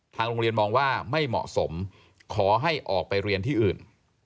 โรงเรียนมองว่าไม่เหมาะสมขอให้ออกไปเรียนที่อื่น